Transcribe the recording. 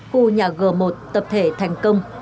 khu nhà g một tập thể thành công